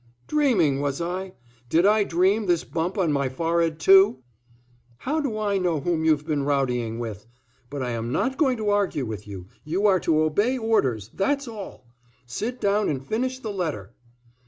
"Dreaming, was I? Did I dream this bump on my forehead, too?" "How do I know whom you've been rowdying with? But I am not going to argue with you. You are to obey orders. That's all. Sit down and finish the letter."